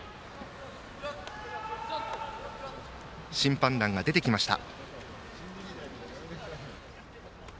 審判団が出てきました。